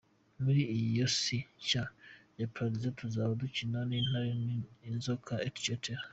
Muli iyo si nshya ya Paradizo, tuzaba dukina n’intare, inzoka, etc.